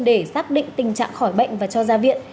để xác định tình trạng khỏi bệnh và cho ra viện